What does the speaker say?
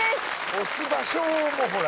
押す場所もほら。